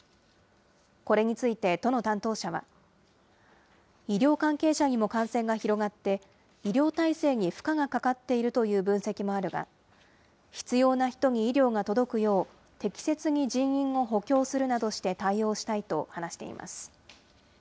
これについて、都の担当者は、医療関係者にも感染が広がって、医療体制に負荷がかかっているという分析もあるが、必要な人に医療が届くよう、適切に人員を補強するなどして対応したいと話しています。